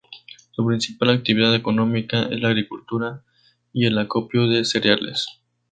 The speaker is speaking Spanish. Su principal actividad económica es la agricultura y el acopio de cereales.